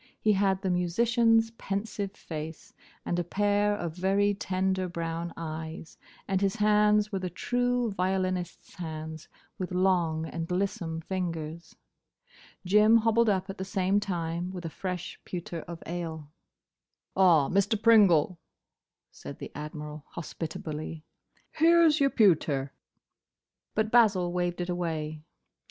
He had the musician's pensive face, and a pair of very tender brown eyes, and his hands were the true violinist's hands, with long and lissome fingers. Jim hobbled up at the same time with a fresh pewter of ale. "Ah, Mr. Pringle," said the Admiral, hospitably, "here 's your pewter." But Basil waved it away.